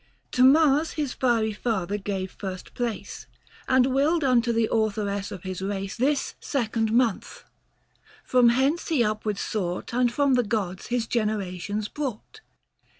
30 To Mars his fiery father gave first place, And willed unto the authoress of his race This second month ; from hence he upwards sought And from the gods, his generations brought.